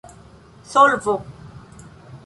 solvo